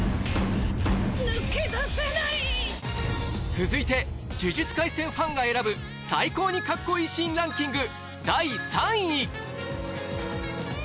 続いて「呪術廻戦」ファンが選ぶ最高にカッコいいシーンランキング